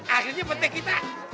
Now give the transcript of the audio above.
akhirnya petai kita